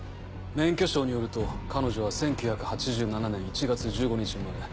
免許証によると彼女は１９８７年１月１５日生まれ。